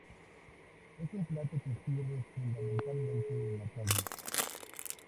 Es un plato que se sirve fundamentalmente en la calle.